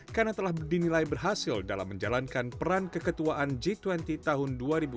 karena telah dinilai berhasil dalam menjalankan peran keketuaan g dua puluh tahun dua ribu dua puluh dua